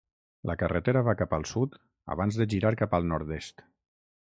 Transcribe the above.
La carretera va cap al sud abans de girar cap al nord-est.